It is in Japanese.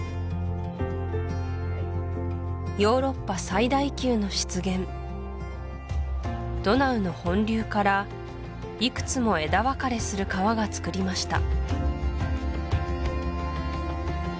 ヨーロッパ最大級の湿原ドナウの本流からいくつも枝分かれする川がつくりました